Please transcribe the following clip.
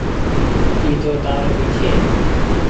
اي تو تآرو ڀي ڇي۔